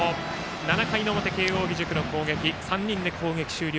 ７回の表、慶応義塾の攻撃は３人で攻撃終了。